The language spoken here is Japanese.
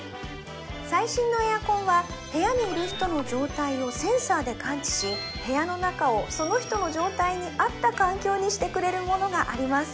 最新のエアコンは部屋にいる人の状態をセンサーで感知し部屋の中をその人の状態に合った環境にしてくれるものがあります